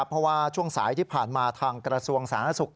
เพราะว่าช่วงสายที่ผ่านมาทางกระทรวงสาธารณสุข